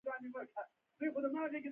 پسه هرکال زېږوي.